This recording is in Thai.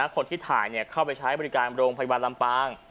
คนที่ถ่ายเข้าไปใช้บริการโรงพยาบาลลำปาง